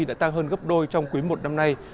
đã tăng hơn gấp đôi trong quý một năm nay